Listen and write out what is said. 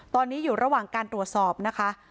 ตอนนี้อยู่ระหว่างการตรวจสอบนะคะ